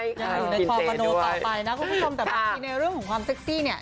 อยู่ในคอปโนต่อไปนะคุณผู้ชมแต่บางทีในเรื่องของความเซ็กซี่เนี่ย